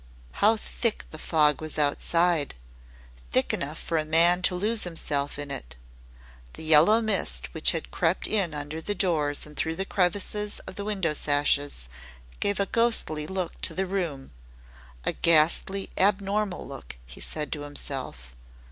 How thick the fog was outside thick enough for a man to lose himself in it. The yellow mist which had crept in under the doors and through the crevices of the window sashes gave a ghostly look to the room a ghastly, abnormal look, he said to himself.